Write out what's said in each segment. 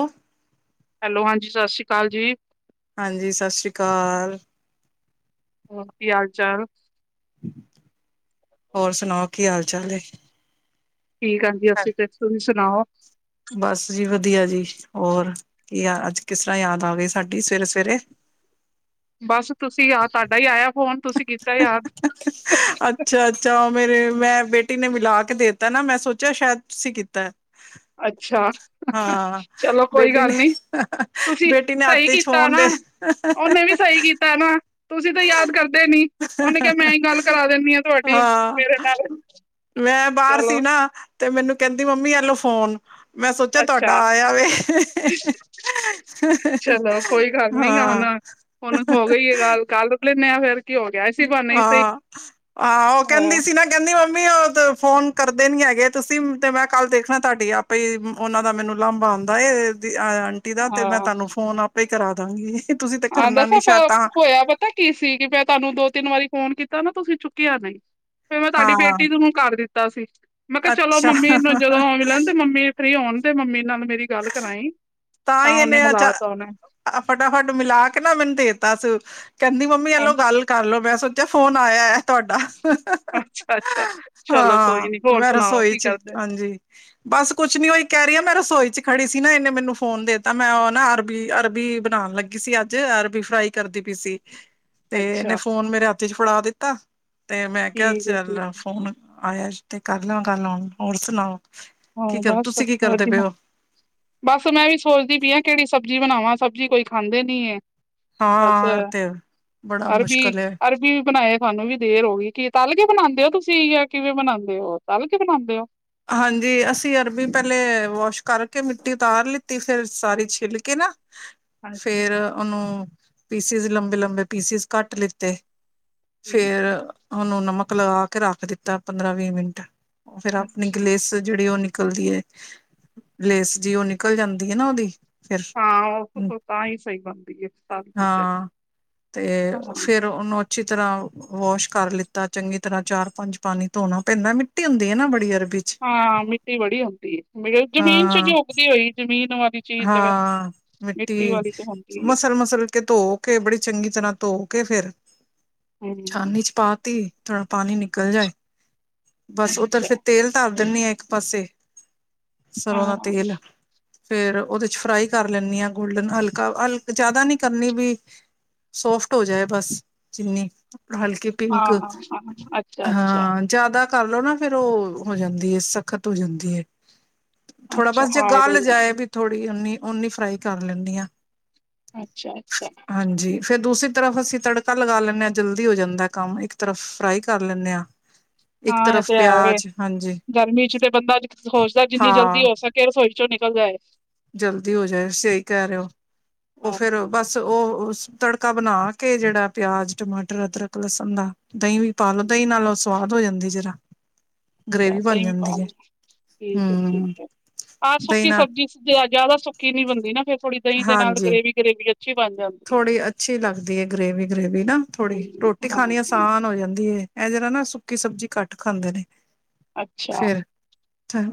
ਉਹ ਹੈਲੋ, ਹਾਂਜੀ, ਸਤਿ ਸ਼੍ਰੀ ਅਕਾਲ ਜੀ। ਹਾਂਜੀ, ਸਤਿ ਸ਼੍ਰੀ ਅਕਾਲ ਕੀ ਹਾਲ ਚਾਲ ਹੋਰ ਸੁਣਾਓ, ਕੀ ਹਾਲ ਚਾਲ ਹੈ। ਠੀਕ ਆਾਂ ਜੀ ਅਸੀਂ ਤੇ ਤੁਸੀਂ ਸੁਣਾਓ? ਬਸ ਜੀ ਵਧੀਆ ਜੀ ਹੋਰ ਕੀ ਆ ਅੱਜ ਕਿਸ ਤਰ੍ਹਾਂ ਯਾਦ ਆ ਗਈ ਸਾਡੀ ਸਵੇਰੇ ਸਵੇਰੇ। ਬਸ ਤੁਸੀਂ ਆ ਤੁਹਾਡਾ ਹੀ ਆਇਆ ਫੋਨ ਤੁਸੀਂ ਕੀਤਾ ਯਾਦ। ਅੱਛਾ ਅੱਛਾ ਉਹ ਮੇਰੇ ਮੈਂ ਬੇਟੀ ਨੇ ਮਿਲਾ ਕੇ ਦੇਤਾ ਨਾ ਮੈਂ ਸੋਚਿਆ ਸ਼ਾਇਦ ਤੁਸੀਂ ਕੀਤਾ। ਅੱਛਾ ਹਾਂ ਚਲੋ ਕੋਈ ਬੇਟੀ ਨੇ ਗੱਲ ਨੀ ਤੁਸੀਂ ਬੇਟੀ ਨੇ ਸਹੀ ਆਤੇ ਕੀਤਾ ਛੋਣ ਨਾ। ਦੇ ਉਹਨੇ ਵੀ ਸਹੀ ਕੀਤਾ ਨਾ। ਤੁਸੀਂ ਤਾਂ ਯਾਦ ਕਰਦੇ ਨੀ ਉਹਨੇ ਕਿਹਾ ਮੈਂ ਹੀ ਗੱਲ ਕਰਾ ਦੇਨੀ ਆ ਤੁਹਾਡੀ ਹਾਂ ਮੇਰੇ ਨਾਲ ਮੈਂ ਬਾਹਰ ਸੀ ਚਲੋ ਨਾ ਤੇ ਮੈਨੂੰ ਕਹਿੰਦੀ ਮੰਮੀ ਐਲੋ ਫੋਨ। ਮੈਂ ਸੋਚਿਆ, ਤੁਹਾਡਾ ਅੱਛਾ ਆਇਆ ਵੇ ਚਲੋ ਕੋਈ ਗੱਲ ਨੀ ਹੁਣ ਹੁਣ ਹੋ ਗਈ ਆ ਗੱਲ ਕੱਲ ਰੁਕ ਲੈਂਦੇ ਆਾਂ ਫੇਰ ਕੀ ਹੋ ਗਿਆ ਇਸੀ ਬਹਾਨੇ ਹੀ ਸਹੀ ਹਾਂ ਆਹ ਉਹ ਕਹਿੰਦੀ ਹਾਂ ਸੀ ਨਾ ਕਹਿੰਦੀ ਮੰਮੀ ਉਹ ਤੇ ਫੋਨ ਕਰਦੇ ਨੀ ਹੈਗੇ ਤੁਸੀਂ ਤੇ ਮੈਂ ਕੱਲ ਦੇਖਣਾ ਤੁਹਾਡੀ ਆਪੇ ਹੀ। ਉਹਨਾਂ ਦਾ, ਮੈਨੂੰ ਲਾਂਬਾ ਆਉਂਦਾ ਆਂਟੀ ਦਾ ਤੇ, ਹਾਂ ਮੈਂ ਤੁਹਾਨੂੰ ਫੋਨ ਆਪੇ ਹੀ ਕਰਾ ਦਾਂਗੀ। ਤੁਸੀਂ ਤੇ ਆਹ ਕਰਨਾ ਦਸ ਨੀ ਸ਼ਾਇਦ ਆਪ ਤਾਂ ਹੋਇਆ ਪਤਾ ਕੀ ਸੀਗੀ ਮੈਂ ਤੁਹਾਨੂੰ ਦੋ ਤਿੰਨ ਵਾਰੀ ਫੋਨ ਕੀਤਾ ਨਾ ਤੁਸੀਂ ਚੁੱਕਿਆ ਨਹੀਂ ਫੇਰ ਮੈਂ ਤੁਹਾਡੀ ਹਾਂ ਬੇਟੀ ਨੂੰ ਕਰ ਦਿੱਤਾ ਸੀ ਮੈਂ ਕਿਹਾ ਚਲੋ ਅੱਛਾ ਮੰਮੀ ਨੂੰ ਜਦੋਂ ਮਿਲਣ ਤੇ ਮੰਮੀ ਫਰੀ ਹੋਣ ਤੇ ਮੰਮੀ ਨਾਲ ਮੇਰੀ ਗੱਲ ਕਰਾਈ ਹੀ ਤਾਂ ਉਹਨੇ ਇਹਨੇ ਮਿਲਾ ਅੱਛਾ ਤ ਉਹਨੇ ਫਟਾਫਟ ਮਿਲਾ ਕੇ ਨਾ ਮੈਨੂੰ ਦੇਤਾ ਸੀ ਕਹਿੰਦੀ ਮੰਮੀ ਐਲੋ ਗੱਲ ਕਰਲੋ ਮੈਂ ਸੋ ਤੇ ਫੋਨ ਆਇਆ ਹੈ। ਤੁਹਾਡਾ ਅੱਛਾ ਅੱਛਾ ਚਲੋ ਕੋਈ ਹਾਂ ਨੀ ਹੋਰ ਮੈਂ ਸੁਣਾਓ ਰਸੋਈ ਕੀ ਚ ਕਰਦੇ ਹਾਂਜੀ। ਬਸ ਕੁਛ ਨੀ ਓ ਈ ਕਹਿ ਰਹੀ ਆ ਮੈਂ ਰਸੋਈ ਚ ਖੜੀ ਸੀ ਨਾ, ਇਹਨੇ ਮੈਨੂੰ ਫੋਨ ਦੇਤਾ, ਮੈਂ ਉਹ ਨਾ ਅਰਬੀ ਅਰਬੀ ਬਣਾਣ ਲੱਗੀ ਸੀ, ਅੱਜ ਅਰਬੀ ਫਰਾਈ ਕਰਦੀ ਪਈ ਸੀ। ਤੇ ਇਹਨੇ ਅੱਛਾ ਫੋਨ ਮੇਰੇ ਹੱਥ ਚ ਫੜਾ ਦਿੱਤਾ ਤੇ ਮੈਂ ਕਿਹਾ ਠੀਕ ਹੈ ਠੀਕ ਚੱਲ ਫੋਨ। ਆਇਆ ਤੇ ਕਰ ਲ ਗੱਲ ਹੁਣ ਹੋਰ ਸੁਣਾਓ ਹਾਂ ਕੀ ਕਰ, ਬਸ ਤੁਸੀਂ ਕੀ ਕਰਦੇ ਪਏ ਵਧੀਆ ਹੋ। ਬਸ ਮੈਂ ਵੀ ਸੋਚਦੀ ਪਈ ਹ ਕਿਹੜੀ ਸਬਜ਼ੀ ਬਣਾਵਾਂ ਸਬਜ਼ੀ ਕੋਈ ਖਾਂਦੇ ਨੀ ਹੈ। ਬਸ ਹਾਂ ਤੇ ਬੜਾ ਅਰਬੀ ਮੁਸ਼ਕਿਲ ਹੈ ਅਰਬੀ ਵੀ ਬਣਾਏ ਸਾਨੂੰ ਵੀ ਦੇਰ ਹੋ ਗਈ ਕਿ ਤਲ ਕੇ ਬਣਾਉਂਦੇ ਹੋ ਤੁਸੀਂ ਹੈ ਕਿਵੇਂ ਬਣਾਉਂਦੇ ਹੋ ਤਲ ਕੇ ਬਣਾਉਂਦੇ ਹੋ। ਹਾਂਜੀ ਅਸੀਂ ਅਰਬੀ ਪਹਿਲੇ ਵਾਸ਼ ਕਰਕੇ ਮਿੱਟੀ ਉਤਾਰ ਲਿੱਤੀ ਫੇਿਰ ਸਾਰੀ ਛਿੱਲ ਕੇ ਨਾ [inaudible] ਅੱਛਾ ਫੇਰ ਉਹਨੂੰ ਪੀਸਿਸ ਲੰਬੇ ਲੰਬੇ ਪੀਸਿਸ ਕੱਟ ਲਿੱਤੇ। ਫੇਰ ਠੀਕ ਹੈ ਉਹਨੂੰ ਨਮਕ ਲਗਾ ਕੇ ਰੱਖ ਦਿੱਤਾ ਪੰਦਰਾਂ ਵੀਹ ਮਿੰਟ ਫੇਰ ਆਪਣੀ ਅੱਛਾ ਗਲੇਸ ਜਿਹੜੀ ਉਹ ਨਿਕਲਦੀ ਹੈ ਲੇਸ ਜੀ ਉਹ ਨਿਕਲ ਜਾਂਦੀ ਹੈ ਨਾ ਉਹਦੀ ਫਿਰ, ਹਾਂ ਹਮ ਉਹ ਤਾਂ, ਹੀ ਸਹੀ ਬਣਦੀ, ਤਲ ਕੇ ਤੇ ਹਾਂ ਤੇ ਹਾਂ ਫੇਰ ਉਹਨੂੰ ਅੱਛੀ ਤਰ੍ਹਾਂ ਵੋਸ਼ ਕਰ ਲਿੱਤਾ ਚੰਗੀ ਤਰ੍ਹਾਂ ਚਾਰ ਪੰਜ ਪਾਣੀ ਧੋਣਾ ਪੈਂਦਾ ਮਿੱਟੀ ਹੁੰਦੀ ਹੈ ਨਾ ਬੜੀ ਅਰਬੀ ਚ ਹਾਂ, ਮਿੱਟੀ ਬੜੀ ਹੁੰਦੀ ਐ ਜਮੀਨ ਚ ਹਾਂ ਉੱਗਦੀ ਹੋਈ ਜਮੀਨ ਵਾਲੀ। ਚੀਜ਼ ਤੇ ਹਾਂ, ਮਿੱਟੀ ਵਾਲੀ ਤੇ ਹੁੰਦੀ ਹੈ ਮਸਲ ਮਸਲ ਕੇ ਧੋ ਕੇ ਬੜੀ ਚੰਗੀ ਤਰ੍ਹਾਂ ਧੋ ਕੇ ਫੇਿਰ ਹਮ ਛਾਨੀ ਚ ਪਾ ਤ ਥੋੜਾ ਪਾਣੀ ਨਿਕਲ ਜਾਏ ਬਸ ਓਦਰ ਅੱਛਾ ਫਿਰ ਤੇਲ ਧਾਰ ਦੇਨੀ ਹਾਂ ਇੱਕ ਪਾਸੇ ਸਰੋ ਹਾਂ ਦਾ, ਤੇ ਲ ਫਿਰ ਉਹਦੇ ਚ ਫਰਾਈ ਕਰ ਲੈਂਦੀ ਆਂ ਗੋਲਡਨ ਹਲਕਾ ਜਿਆਦਾ ਨੀ ਕਰਨੀ ਵੀ ਸੋਫਟ ਹੋ ਜਾਏ ਬਸ ਜਿੰਨੀ ਹਲਕੀ ਪਿੰਕ ਹਾਂ ਹਾਂ ਅੱਛਾ ਅੱਛਾ ਹਾਂ। ਜ਼ਿਆਦਾ ਤਲ ਲਓ ਨਾ ਫਿਰ ਉਹ ਹੋ ਜਾਂਦੀ ਹੈ ਸਖਤ ਹੋ ਜਾਂਦੀ ਹੈ। ਥੋੜਾ ਅੱਛਾ ਬਸ ਜੇ ਹਾਰਡ ਹੋ ਗੱਲ ਜਾਏ ਜਾਂਦੀ ਵੀ ਥੋੜੀ, ਓਨੀ ਓਨੀ ਫਰਾਈ ਕਰ ਲੈਂਦੀ ਆ ਅੱਛਾ ਅੱਛਾ ਹਾਂਜੀ ਫਿਰ ਦੂਸਰੀ ਤਰਫ ਅਸੀਂ ਤੜਕਾ ਲਗਾ ਲੈਂਦੇ ਹਾਂ ਜਲਦੀ ਹੋ ਜਾਂਦਾ ਕੰਮ ਇੱਕ ਤਰਫ ਫਰਾਈ ਕਰ ਲੈਂਦੇ ਹਾਂ। ਇੱਕ ਹਾਂ ਇਹ ਤਰਫ ਤੇ ਹੈ ਪਿਆਜ ਹਾਂਜੀ ਗਰਮੀ ਚ ਤੇ ਬੰਦਾ ਸੋਚਦਾ ਜਿੰਨੀ ਜਲਦੀ ਹਾਂ ਹੋ ਸਕੇ ਕੇ ਰਸੋਈ ਚੋਂ ਨਿਕਲ ਜਾਏ। ਜਲਦੀ ਹੋ ਜਾਏ ਸਹੀ ਕਹਿ ਰਹੇ ਹੋ ਉਹ ਹਾਂ ਫਿਰ ਬਸ ਉਹ ਤੜਕਾ ਬਣਾ ਕੇ ਜਿਹੜਾ ਪਿਆਜ ਟਮਾਟਰ ਅਦਰਕ ਲਸਣ ਦਾ ਦਹੀਂ ਵੀ ਪਾਲ ਲੋ ਦਹੀਂ ਨਾਲੋਂ, ਸਵਾਦ ਹੋ ਜਾਂਦੀ ਜਰਾ। [unintelligible] ਗ੍ਰੇਵੀ ਬਣ ਜਾਂਦੀ ਹੈ ਠੀਕ ਹੈ ਠੀਕ ਹਮ ਹੈ, ਆਰ ਦਹੀਂ ਸੁੱਕੀ ਨਾਲ ਸਬਜ਼ੀ ਤੇ ਵਾਜਾ ਵਾਲਾ ਸੁੱਕੀ ਨੀ ਬਣਦੀ ਨਾ ਫਿਰ ਹਾਂਜੀ, ਜਾਂਦੀ ਹੈ ਥੋੜੀ ਅੱਛੀ ਲੱਗਦੀ ਹੈ ਗਰੇਵੀ ਗਰੇੇਵੀ ਨਾ ਥੋੜੀ ਤੇ ਖਾਣੀ ਆਸਾਨ ਹੋ ਜਾਂਦੀ ਦੀਏ ਐ ਜਰਾ ਨਾ ਸੁੱਕੀ ਸਬਜ਼ੀ ਘੱਟ ਖਾਂਦੇ ਨੇ ਅੱਛਾ ਫਿਰ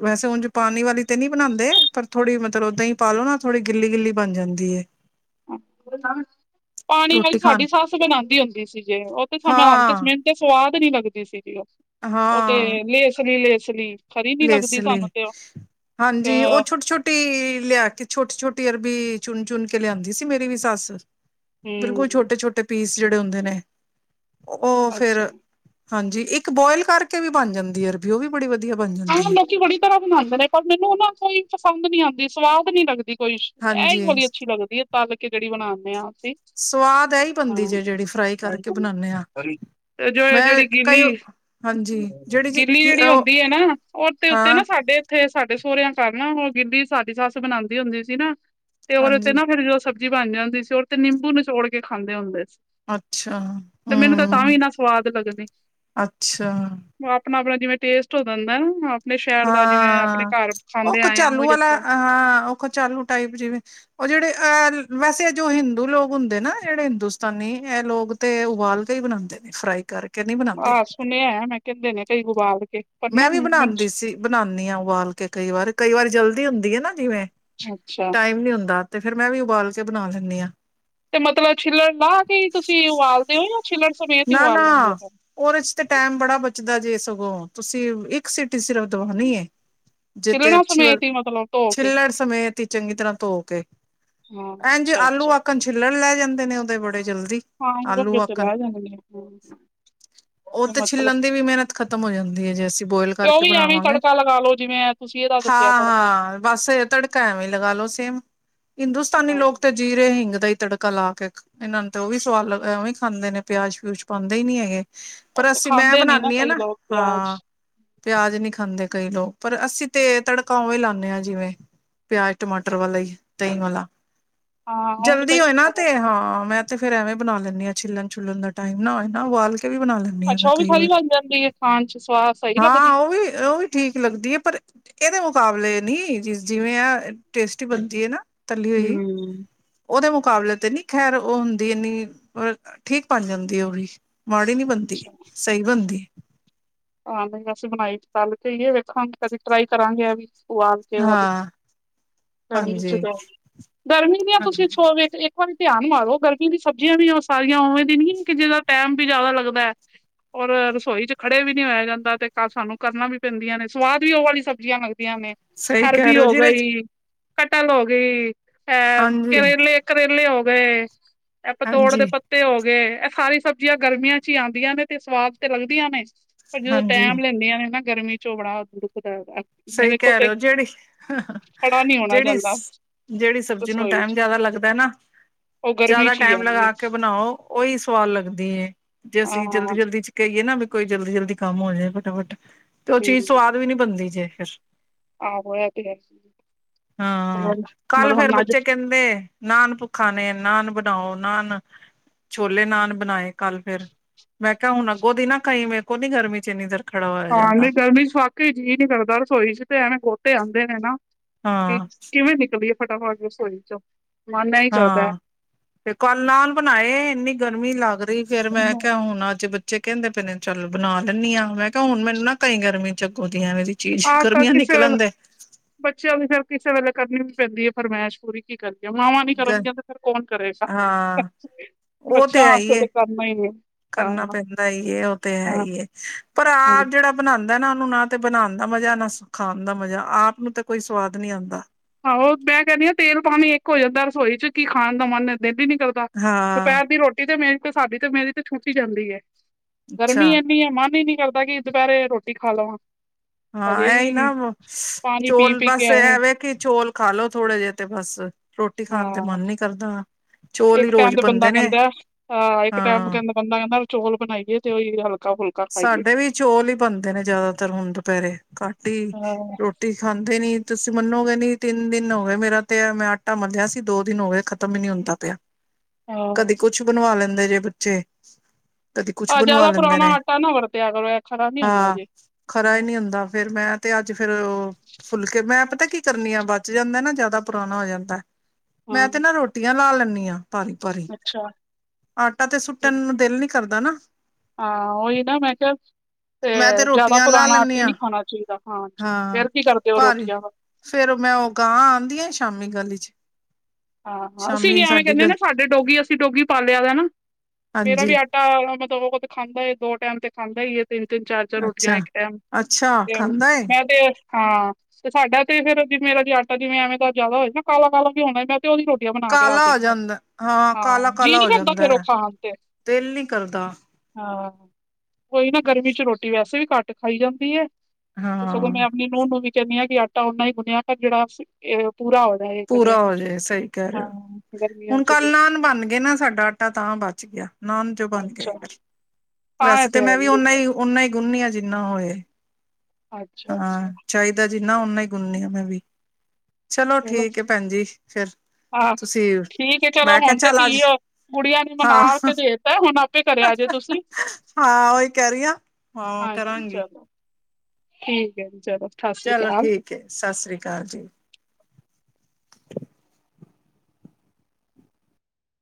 ਵੈਸੇ ਉੁਝ ਪਾਣੀ ਵਾਲੀ ਤੇ ਨੀ ਬਣਾਉਂਦੇ ਪਰ ਥੋੜੀ ਮਤਲਬ ਦਹੀ ਪਲੋ ਨਾ ਥੋੜੀ ਗਿੱਲੀ ਗਿੱਲੀ ਬਣ ਜਾਂਦੀ ਏ ਪਾਣੀ ਵਾਲੀ ਰੋਟੀ ਖਾਣ ਸਾਡੀ ਸੱਸ ਬਣਾਉਂਦੀ ਹੁੰਦੀ ਸੀ। ਜੇ ਉਹ ਤੇ ਸਮੇ ਆਂ ਤੇ ਹਾਂ ਸਮੇ ਤੇ ਸਵਾਦ ਨੀ ਲੱਗਦੀ ਸੀਗੀ ਉਹ ਉਹ ਤੇ [unintelligible] ਸਰੀਰ ਇਸੀ ਲਈ ਹਾਂਜੀ ਉਹ ਤੇ, ਛੋਟੇ ਛੋਟੇ ਛੋਟੀ ਲਿਆ ਕੇ ਛੋਟੀ ਛੋਟੀ ਅਰਬੀ ਚੁਣ ਚੁਣ ਕੇ ਲਿਆਂਦੀ ਸੀ। ਮੇਰੀ ਵੀ ਸੱਸ ਹਮ ਬਿਲਕੁਲ ਛੋਟੇ ਛੋਟੇ ਪੀਸ ਜਿਹੜੇ ਹੁੰਦੇ ਨੇ ਉਹ ਅੱਛਾ ਫਿਰ ਹਾਂਜੀ ਇੱਕ ਬੋਇਲ ਕਰਕੇ ਵੀ ਬਣ ਜਾਂਦੀ ਹੈ ਅਰਬੀ ਓ ਵੀ ਬੜੀ ਵਧੀਆ ਬਣ ਜਾਂਦੀ ਹਾਂ ਹੈ। ਲੋਕੀ ਬੜੀ ਤਰ੍ਹਾਂ ਬਣਾਉਂਦੇ ਨੇ ਪਰ ਮੈਨੂੰ ਉਹ ਨਾ ਕੋਈ ਪਸੰਦ ਨੀ ਆਉਂਦੀ ਸਵਾਦ ਨੀ ਲੱਗਦੀ। [unintelligible] ਇਹ ਹੀ ਹਾਂਜੀ ਬਹੁਤ ਅੱਛੀ ਗੱਲ ਹੁੰਦੀ ਤਦ ਖਿਚੜੀ ਬਣਾਦੇ ਹਾਂ ਅਸੀਂ ਸਵਾਦ ਇਹੀ ਹਾਂ ਬਣਦੀ ਜੇ ਜਿਹੜੀ ਫਰਾਈ ਕਰਕੇ ਬਣਾਣੇ ਆ। ਤੇ ਜੋ, ਜਿਹੜੀ ਗਿੱਲੀ ਜਿਹੜੀ ਜੀ ਗਿੱਲੀ ਕਿ ਜਿਹੜੀ ਉਹ ਹੁੰਦੀ ਹੈ ਨਾ ਉਹਤੇ ਉੱਤੇ ਹਾਂ ਨਾ ਸਾਡੇ ਉੱਥੇ ਸਾਡੇ ਸੋਹਰਿਆਂ ਘਰ ਨਾ ਉਹ ਗਿੱਲੀ ਸਾਡੀ ਸੱਸ ਬਨਾਉਂਦੀ ਹੁੰਦੀ ਸੀ ਨਾ ਤੇ ਉਹਦੇ ਉੱਤੇ ਹਾਂਜੀ ਨਾ ਫਿਰ ਜਦੋਂ ਸ ਸਬਜ਼ੀ ਬਣ ਜਾਂਦੀ ਸੀ ਉੱਤੇ ਨਿੰਬੂ ਨਚੋੜ ਕੇ ਖਾਂਦੇ ਹੁੰਦੇ ਸੀ। ਅੱਛਾ ਤੇ ਮੈਨੂੰ ਤਾਂ ਹੂ ਤਾਂ ਵੀ ਨਾ ਸਵਾਦ ਅੱਛਾ। ਆਪਣਾ-ਆਪਣਾ ਜਿਵੇਂ ਟੇਸਟ ਹੋ ਜਾਂਦਾ ਆਪਣੇ ਸ਼ਹਿਰ ਦਾ ਜਿਵੇਂ ਆਪਣੇ ਹਾਂ। ਘਰ ਉਹ ਖਾਂਦੇ ਆਏ ਆ ਕਚਾਲੂ ਉਹੀ ਵਾਲਾ ਅੱਛਾ ਹਾਂ ਉਹ ਕਚਾਲੂ ਟਾਈਪ ਜਿਵੇਂ ਉਹ ਜਿਹੜੇ ਅਹ ਵੈਸੇ ਜੋ ਹਿੰਦੂ ਲੋਕ ਹੁੰਦੇ ਨਾ ਜਿਹੜੇ ਹਿੰਦੁਸਤਾਨੀ ਏ ਲੋਕ ਤੇ ਉਬਾਲ ਕੇ ਹੀ ਬਣਾਉਂਦੇ ਨੇ ਫਰਾਈ ਕਰਕੇ ਨਹੀਂ ਬਣਾਉਂਦੇ। ਆਹ ਸੁਣਿਆ ਮੈਂ ਕਹਿੰਦੇ ਨੇ ਕਈ ਗੋਪਾਲ ਅੱਗੇ ਮੈਂ ਵੀ ਬਣਾਉਂਦੀ ਸੀ ਬਣਾਉਂਦੀ ਹਾਂ ਉਬਾਲ ਕੇ ਕਈ ਵਾਰ ਕਈ ਵਾਰੀ ਜਲਦੀ ਹੁੰਦੀ ਹੈ ਨਾ ਜਿਵੇਂ ਅੱਛਾ ਟਾਈਮ ਨੀ ਹੁੰਦਾ ਤੇ ਫਿਰ ਮੈਂ ਵੀ ਉਬਾਲ ਕੇ ਬਣਾ ਲੈਂਦੀ ਹਾਂ ਤੇ ਮਤਲਬ ਛਿਲਣ ਬਾਅਦ ਤੁਸੀਂ ਉਬਾਲਦੇ ਉਹਨੂੰ ਨਾ ਨਾ। ਉਹਦੇ ਚ ਤੇ ਟਾਈਮ ਬੜਾ ਬਚਦਾ ਜੇ ਸਗੋਂ ਤੁਸੀਂ ਇੱਕ ਸੀਟੀ ਸਿਰਫ ਦਵਾਉਣੀ ਜਿੱਥੇ ਛਿੱਲਣਾ ਅੱਛੀ ਵੱਲ ਸਮੇਤ ਹੀ ਮਤਲਬ ਧੋ ਕੇ ਛਿਲੜ ਸਮੇਤੀ ਚੰਗੀ ਤਰ੍ਹਾਂ ਧੋ ਕੇ ਹਾਂ ਐਂ ਜੇ ਅੱਛਾ ਆਲੂ ਅੱਛਾ ਕੰਜ ਛਿਲੜ ਲੈ ਜਾਂਦੇ ਨੇ ਉਹਦੇ ਬੜੇ ਜਲਦੀ ਹਾਂ ਇਹਦੇ ਆਲੂ ਉੱਤੇ ਆਕਣ ਬਹਿ ਜਾਣਗੇ ਨਿੰਬੂ ਉਹ ਤੇ ਛਿੱਲਣ ਦੀ ਵੀ ਮਿਹਨਤ ਖਤਮ ਹੋ ਜਾਂਦੀ ਹੈ, ਜੇ ਅਸੀਂ ਬੋਇਲ ਤੇ ਉਹ ਕਰਕੇ ਵੀ ਐਵੇਂ ਹੀ ਬਣਾਵਾਂਗੇ। ਤੜਕਾ ਲਗਾ ਲੋ ਜਿਵੇਂ ਏ ਤੁਸੀਂ ਇਹਦਾ ਦੱਸਿਆ ਤੜਕਾ ਹਾਂ ਬਸ ਤੜਕਾ ਐਵੇਂ ਲਗਾ ਲੋੋ ਸੇਮ ਹਿੰਦੁਸਤਾਨੀ ਹਾਂ ਲੋਕ ਤੇ ਜੀਰੇ ਹਿੰਗ ਦਾ ਹੀ ਤੜਕਾ ੜਕਾ ਲਾਕੇ, ਇਹਨਾਂ ਨੂੰ ਤੇ ਉਹ ਵੀ ਸਵਾਦ ਲ ਐਂਵੀ ਈ ਖਾਂਦੇ ਨੇ, ਪਿਆਜ -ਪਿਊਜ ਪਾਂਦੇ ਹੀ ਨੀ ਹੈਗੇ। ਉਹ ਪਰ ਅਸੀਂ, 'ਮੈਂ' ਖਾਂਦੇ ਨੀ ਬਣਾਂਨੀ ਆਂ, ਕਈ ਨਾ, ਲੋਕ ਹਾਂ। ਪਿਆਜ ਪਿਆਜ ਨਹੀਂ ਖਾਂਦੇ ਕਈ ਲੋਕ, ਪਰ ਅਸੀਂ ਤੇ ਤੜਕਾ ਉਵੇਂ ਲਾਂਨੇ ਆਂ, ਜਿਵੇਂ ਪਿਆਜ, ਟਮਾਟਰ ਵਾਲਾ ਹੀ ਦਹੀਂ ਵਾਲਾ, ਹਾਂ ਉਹ ਵੀ ਤਾਂ ਜਲਦੀ ਹੋਏ ਨਾ, ਤੇ ਹਾਂ, ਮੈਂ ਤੇ ਫੇਰ ਐਵੇਂ ਬਣਾ ਲੈਂਨੀ ਆਂ, ਛਿਲਣ-ਛੁੱਲਣ ਦਾ ਟਾਈਮ ਨਾ ਹੋਏ ਨਾ, ਉਬਾਲਕੇ ਵੀ ਬਣਾਲੈਂ ਅੱਛਾ, ਉਹ ਵੀ ਥੋਰੀ ਬਣ ਜਾਂਦੀ ਏ, ਖਾਣ'ਚ ਸਵਾਦ ਸਹੀ ਲੱਗਦੀ? ਓਹ ਵੀ ਠੀਕ ਲੱਗਦੀ ਏ, ਪਰ ਇਹਦੇ ਮੁਕਾਬਲੇ ਨਹੀਂ, ਜਿਵੇਂ ਆ ਟੇਸਟੀ ਬਣਦੀ ਏ, ਨਾ। ਤੱਲੀ ਹੋਈ। ਹਮ ਉਹਦੇ ਮੁਕਾਬਲੇ ਤੇ ਨੀ ਖੈਰ, ਉਹ ਹੁੰਦੀ ਇਨੀ, ਪਰ ਠੀਕ ਬਣ ਜਾਂਦੀ ਉਹ ਵੀ। ਮਾੜੀ ਨਹੀਂ ਬਣਦੀ, ਸਹੀ ਬਣਦੀ। ਹਾਂ, ਨਹੀਂ ਅਸੀਂ ਬਣਾਈ ਤੱਲਕੇ ਹੀਏ, ਵੇਖਾਂਗੀ ਕਦੀ ਟ੍ਰਾਈ ਕਰਾਂਗੇ ਐਵੀ। [unintelligible] ਹਾਂ ਗਰਮੀ ਚ ਹਾਂਜੀ ਤੇ ਗਰਮੀ ਨੀ ਐ ਤੁਸੀ ਸੌ ਵੀ ਤਰੀ ਇੱਕ ਵਾਰੀ ਧਿਆਨ ਮਾਰੋ, ਗਰਮੀ ਦੀ ਸਬਜ਼ੀਆਂ ਵੀ ਉਹ ਸਾਰੀਆਂ ਉਵੇਂ ਦੀ ਨੀ, ਕਿ ਜਿਦਾ ਟਾਈਮ ਵੀ ਜ਼ਿਆਦਾ ਲੱਗਦੈ। ਓਰ ਰਸੋਈ'ਚ ਖੜੇ ਵੀ ਨਹੀਂ ਹੋਇਆ ਜਾਂਦਾ, ਤੇ ਸਾਨੂੰ ਕਰਨਾ ਵੀ ਪੈਂਦੀਆਂ ਨੇ ਸਵਾਦ ਵੀ ਉਹ ਵਾਲੀ ਸਬਜ਼ੀਆਂ ਲੱਗਦੀਆਂ ਨੇ। ਸਹੀ ਕਹਿ ਅਰਬੀ ਰਹੇ ਹੋ ਜਿਹਦੇ ਚ ਗਈ। ਕਟਲ ਹੋ ਗਈ- ਅਹ, ਹਾਂਜੀ ਕਰੇਲੇ, ਕਰੇਲੇ ਹੋ ਗਏ। ਇਹ ਪਤੋੜ ਦੇ ਹਾਂਜੀ ਪੱਤੇ ਹੋਗੇ, ਇਹ ਸਾਰੀ ਸਬਜ਼ੀਆਂ ਗਰਮੀਆਂ'ਚ ਹੀ ਆਂਦੀਆਂ ਨੇ, ਤੇ ਸਵਾਦ ਤੇ ਲੱਗਦੀਆਂ ਨੇ। ਪਰ ਜਦੋਂ ਟਾਈਮ ਹਾਂਜੀ ਲੈਂਦੀਆਂ ਨੇ ਨਾ ਗਰਮੀ'ਚੋਂ ਓ ਬੜਾ ਦੁਖਦਾ ਹੈਗਾ। ਮੈਂ ਸਹੀ ਦੇਖੋ ਕਹਿ ਰਹੇ ਫੇਰ ਹੋ, ਜਿਹੜੀ, ਖੜਾ ਨੀ ਹੋਣਾ ਜਿਹੜੀ ਸ ਜਾਂਦਾ ਜਿਹੜੀ ਸਬਜ਼ੀ ਨੂੰ ਰਸੋਈ ਟਾਈਮ ਚ ਜਿਆਦਾ ਲੱਗਦਾ ਨਾ ਉਹ ਗਰਮੀ ਜ਼ਿਆਦਾ ਚ ਹੀ ਟਾਈਮ ਆਉਂਦੀ ਹੈ ਲਗਾਕੇ ਬਣਾਓ, ਉਹੀ ਸਵਾਦ ਲੱਗਦੀ ਏ, ਜੇ ਹਾਂ ਅਸੀਂ ਹਮ ਜਲਦੀ-ਜਲਦੀ'ਚ ਕਹੀਏ ਨਾ ਵੀ ਕੋਈ ਜਲਦੀ-ਜਲਦੀ ਕੰਮ ਹੋਜੇ, ਫਟਾਫਟ। ਤੇ ਉਹ ਚੀਜ਼ ਸਵਾਦ ਵੀ ਨੀ ਬਣਦੀ ਜੇ ਫਿਰ। ਆਹੋ, ਐਤੇ ਹੈ। ਹਾਂ, ਹੋਰ ਕੱਲ ਮਤਲਬ ਫੇਰ ਹੁਣ ਅੱਜ ਬੱਚੇ ਕਹਿੰਦੇ ਨਾਨ ਭੁੱਖਾ ਨੇ, ਨਾਨ ਬਣਾਓ, ਨਾਨ ਛੋਲੇ-ਨਾਣ ਬਣਾਏ ਕੱਲ ਫੇਰ। ਮੈਂ ਕਿਹਾ, ਹੁਣ ਅੱਗੋਂ ਦੀ ਨਾ ਕਈਂ, ਮੇਰੇ ਕੋਲੋ ਨੀ ਗਰਮੀ'ਚ ਇੰਨੀ ਦੇਰ ਖੜਾ ਹੋਇਆ ਹਾਂ, ਨੀ ਜਾਂਦਾ ਗਰਮੀ'ਚ ਵਾਕਈ ਜੀਅ ਨੀ ਕਰਦਾ, ਰਸੋਈ'ਚ ਤੇ ਐਂਵੇ ਗੋਤੇ ਆਉਂਦੇ ਨੇ, ਨਾ। ਹਾਂ ਕਿਵੇਂ ਨਿਕਲੀਏ ਫਟਾਫਟ ਰਸੋਈ'ਚੋਂ ਹਾਂ। ਤੇ ਕੱਲ ਨਾਨ ਬਣਾਏ ਇੰਨੀ ਗਰਮੀ ਲੱਗ ਰਹੀ ਫਿਰ, ''ਮੈਂ ਕਿਹਾ ਹੁਣ ਅੱਜ ਬੱਚ ਕਹਿੰਦੇ ਪਏ ਨੇ ਚੱਲ ਬਣਾ ਦੇਂਨੀ ਹਾਂ, ਮੈਂ ਕਿਹਾ, ਹੁਣ ਮੈਨੂੰ ਨਾ ਕਈ ਗਰਮੀ'ਚ ਅਗੋ ਦੀ ਐਂਵੇ ਦੀ ਚੀਜ਼, ਆਹ ਕ ਗਰਮੀਆਂ ਕਿਸੇ ਵੇਲੇ ਨਿਕਲਣ ਦੇ। ਬੱਚਿਆਂ ਦੀ ਫਿਰ ਕਿਸੇ ਵੇਲੇ, ਕਰਨੀ ਵੀ ਪੈਂਦੀ ਹੈ ਫਰਮਾਇਸ਼ ਪੂਰੀ। ਕੀ ਕਰੀਏ ਮਾਵਾਂ ਨੀ ਗ ਕਰਨਗੀਆਂ, ਤੇ ਫਿਰ ਕੌਣ ਕਰੇਗਾ। ਹਾਂ ਉਹ ਤੇ ਬੱਚਿਆਂ ਵਾਸਤੇ ਹੈਹੀਏ, ਕਰਨਾ ਹੀ ਹੈ ਹਾਂ ਕਰਨਾ ਪੈਂਦਾ ਈ ਏ, ਉਹ ਤੇ ਹੈ ਹਾਂ ਹੀਏ ਪਰ ਆ ਹਾਂ। ਜਿਹੜਾ ਬਣਾਂਦਾ ਨਾ, ਉਹਨੂੰ ਨਾ ਤੇ ਬਣਾਣ ਦਾ ਮਜ਼ਾ, ਨਾ ਖਾਣ ਦਾ ਮਜ਼ਾ! ਆਪ ਨੂੰ ਤੇ ਕੋਈ ਸਵਾਦ ਨੀ ਆਂਦਾ। ਆਹੋ ਮੈਂ ਕਹਿੰਨੀ ਆ ਤੇਲ-ਪਾਣੀ ਇੱਕ ਹੋ ਜਾਂਦਾ ਰਸੋਈ'ਚ, ਕੀ ਖਾਣ ਦਾ ਮਨ ਦਿਲ ਹੀ ਨਹੀਂ ਕਰ ਹਾਂ ਦੁਪਹਿਰ ਦੀ ਰ੍ਹੋਟੀ ਤੇ, ਮੇਰੀ ਤੇ, ਸਾਡੀ ਤੇ, ਮੇਰੀ ਤੇ ਛੂਟ ਈ ਜਾਂਦੀ ਏ। ਅੱਛਾ ਗਰਮੀ ਇੰਨੀ ਏ, ਮਨ ਹੀ ਨਹੀਂ ਕਰਦਾ, ਕਿ ਦੁਪਹਿਰੇ ਰ੍ਹੋਟੀ ਖਾ ਲਵਾਂ। ਹਾਂ ਹਜੇ ਐਹੀ ਵੀ ਨਾ, ਪਾਣੀ ਪੀ ਚੋਲ ਪੀ ਕੇ ਬਸ ਐਵੇਂ ਐਵੇ ਕਿ ਚੋਲ ਖਾਲੋ ਥੋੜੇ ਜਿਹੇ ਤੇ, ਬਸ। ਰੋਟੀ ਖਾਣ ਤੇ ਹਾਂ ਮਨ ਨੀ ਕਰਦਾ, ਚੌਲ ਹੀ ਇੱਕ ਰੋਜ਼ ਟਾਈਮ ਤੇ ਬੰਦਾ ਬਣਦੇ ਨੇ। ਕਹਿੰਦਾ ਇੱਕ ਟਾਈਮ ਹਾਂ। ਕਹਿੰਦਾ ਬੰਦਾ ਕਹਿੰਦਾ, ਚੋਲ ਬਣਾਈਏ ਤੇ ਉਹੀ ਹਲਕਾ-ਫੁਲਕਾ ਸਾਡੇ ਵੀ ਚੋਲ ਹੀ ਬਣਦੇ ਨੇ ਜ਼ਿਆਦਾਤਰ ਹੁਣ ਦੁਪਹਿਰੇ, ਘਟ ਹੀ ਹਾਂ ਰ੍ਹੋ ਰੋਟੀ ਖਾਂਦੇ ਨੀ, ਤੁਸੀ ਮੰਨੋਗੇ ਨਹੀ ਤਿੰਨ ਦਿਨ ਹੋ ਗਏ ਮੇਰਾ ਤੇ ਮੈਂ ਆਟਾ ਮੰਲਿਆ ਸੀ, ਦੋ ਦਿਨ ਹੋ ਗਏ ਖਤਮ ਹੀ ਨੀ ਹੁੰਦਾ ਪਿਆ। ਹਾਂ ਕਦੇ ਕੁਛ ਕੁਛ ਬਣਵਾ ਲੈਂਦੇ ਜੇ ਬੱਚੇ ਕਦੀ ਕੁਛ ਆ, ਬਣਵਾ ਜਿਆਦਾ ਲੈਂਦੇ ਪੁਰਾਣਾ ਨੇ ਆਟਾ ਨਾ ਵਰਤਿਆ ਕਰੋ ਐ ਹਾਂ ਖਰਾ ਹੀ ਨਹੀਂ ਹੁੰਦਾ, ਫੇਰ 'ਮੈਂ' ਤੇ ਅੱਜ ਫੇਰ ਉਹ ਫੁਲਕੇ, ਮੈਂ ਪਤਾ ਕੀ ਕਰਨੀ ਆ ਬਚ ਜਾਂਦਾ ਨਾ, ਜਿਆਦਾ ਪੁਰਾਣਾ ਹੋ ਜਾਂਦਾ। ਮੈਂ ਤੇ ਹਾਂ ਨਾ ਰੋਟੀਆਂ ਲਾ ਲੈਂਦੀ ਹਾਂ, ਪਾਣੀ। ਉਪਰ ਹੀ, ਅੱਛਾ ਆਟਾ ਤੇ ਸੁੱਟਣ ਨੂੰ ਦਿਲ ਨੀ ਕਰਦਾ ਨਾ। ਹਾਂ ਉਹੀ ਨਾ ਮੈਂ ਕਿਹਾ, ਤੇ ਮੈਂ ਜ਼ਿਆਦਾ ਰੋਟੀਆਂ ਲਾ ਪੁਰਾਣਾ ਲੈਂਦੀ ਆਟੇ ਹਾਂ ਨਹੀਂ ਖਾਣਾ ਚਾਹੀ ਦਾ ਹਾਂਜੀ, ਹਾਂ ਫੇਰ ਕੀ ਕਰਦੇ ਹੋ ਭਾਰੀ ਰੋਟੀਆਂ ਦਾ। ਫੇਰ ਮੈਂ ਉਹ ਗਾਂ ਆਂਦੀ ਏ, ਸ਼ਾਮੀ ਗਲੀ ਚ। ਹਾਂ, ਅਸੀਂ ਵੀ ਸ਼ਾਮੀ ਐਵੇਂ ਸਾਡੀ ਕਹਿੰਦੇ ਆਂ ਗਲ ਨਾ ਸਾਡੇ ਡੋਗੀ ਅਸੀਂ ਡੋਗੀ ਪਾਲਿਆ ਦਾ, ਮੇਰਾ ਹਾਂਜੀ ਵੀ ਆ [inaudible] ਖਾਂਦਾ ਦੋ ਟਾਈਮ ਤੇ ਖਾਂਦਾ ਈ ਏ। ਤਿੰਨ-ਤਿੰਨ, ਚਾਰ-ਚਾਰ ਰੋਟੀਆਂ ਅੱਛਾ ਇੱਕ ਟੈਮ ਅੱਛਾ ਤੇ, ਖਾਂਦਾ ਏ ਮੈਂ ਤੇ ਹਾਂ, ਤੇ ਸਾਡਾ ਤੇ ਫੇਰ ਜੇ ਮੇਰਾ ਜੇ ਆਟਾ ਜਿਵੇਂ ਐਵੇਂ ਤਾਂ ਜ਼ਿਆਦਾ ਹੋਏ ਨਾ, ਕਾਲਾ-ਕਾਲਾ ਵੀ ਹੋਣਾ, ਮੈਂ ਤੇ ਉਹਦੀ ਰੋਟੀ ਬਣਾ ਕੇ ਰੱਖ ਕਾਲਾ ਹੋ ਦਿੰਨੀ ਆ, ਜਾਂਦਾ ਕਾਲਾ ਹਾਂ ਜੀਅ ਕਾਲਾ ਨੀ ਹੋ ਕਰਦਾ ਜਾਂਦਾ ਫੇਰ ਉਹ ਹੈ ਖਾਣ ਤੇ। ਦਿਲ ਨੀ ਕਰਦਾ। ਹਾਂ, ਓਈ ਨਾ ਗਰਮੀ ਚ ਰੋਟੀ ਵੈਸੇ ਵੀ ਘਟ ਖਾਈ ਜਾਂਦੀ ਏ, ਤੇ ਸਗੋ ਮੈਂ ਹਾਂ ਆਪਣੀ ਨੂੰਹ ਨੂੰ ਵੀ ਕਹਿੰਦੀ ਆਂ ਕਿ ਆਟਾ ਓਨਾ ਹੀ ਗੁੰਨਿਆ ਕਰ, ਜਿਹੜਾ ਪੂਰਾ ਆਵੇ ਇਕ ਪੂਰਾ ਦਿਨ ਹੋ ਵਿੱਚ। ਜਾਏ ਸਹੀ ਕਹਿ ਹਾਂ ਰਹੇ ਹੋ, ਗਰਮੀਆਂ ਹੁਣ ਚ ਕੱਲ ਵੀ ਨਾਨ ਬਣ ਗਏ ਨਾ ਸਾਡਾ ਆਟਾ ਤਾਂ ਬਚ ਗਿਆ। ਨਾਨ ਤੇ ਓਹ ਬਣ ਗਏ, ਅੱਛਾ ਫਿਰ ਆਹ ਵੈਸੇ ਤੇ ਹੈ ਮੈਂ ਵੀ ਹੀ ਹੈ ਓਨਾ ਫਿਰ। ਈ ਓਨਾ ਹੀ ਗੁੰਨਨੀਆਂ ਜਿੰਨਾ ਹੋਏ, ਅੱਛਾ ਹਾਂ ਅੱਛਾ ਚਾਹੀ ਦਾ ਜਿੰਨਾ ਓਨਾ ਹੀ ਗੁੰਨਨੀ ਆਂ ਮੈਂ ਵੀ, ਚਲੋ ਠੀਕ ਐ ਭੈਣ ਜੀ ਫਿਰ। ਆਹ ਤੁਸੀਂ ਠੀਕ ਹੈ ਚਲੋ ਮੈਂ ਕਿਹਾ ਹੁਣ ਤੇ ਚੱਲ ਅੱਜ, ਕੀ ਹੋ ਗੁੜੀਆਂ ਨੇ ਮਨਾ ਹਾਂ। ਤੇ ਦੇਤਾ ਹੁਣ ਆਪੇ ਕਰਿਆ ਜੇ ਤੁਸੀਂ ਹਾਂ ਉਹੀ ਕਹਿ ਰਹੀ ਆਂ, ਹਾਂ ਹਾਂਜੀ ਕਰਾਂਗੀ। ਚਲੋ ਠੀਕ ਐ, ਚਲੋ ਸਤਿ ਸ੍ਰੀ ਚਲੋ ਅਕਾਲ ਠੀਕ ਐ ਜੀ, ਸਸ ਰੀ ਕਾਲ ਜੀ।